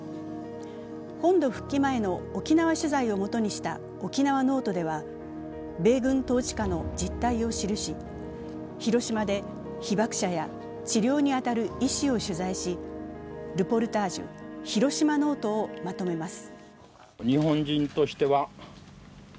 本土復帰前の沖縄取材を基にした「沖縄ノート」では米軍統治下の実態を記し広島で被爆者や治療に当たる医師を取材しルポルタージュ「ヒロシマ・ノート」をまとめます。